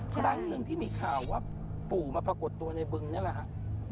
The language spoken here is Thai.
ครั้งหนึ่งที่มีข่าวว่าปู่มาปรากฏตัวในบึงนี่แหละฮะ